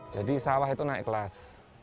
jadi sawah itu naik kelas